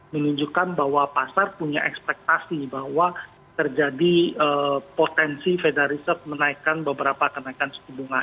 menunjukkan bahwa pasar punya ekspektasi bahwa terjadi potensi federal research menaikkan beberapa kenaikan suku bunga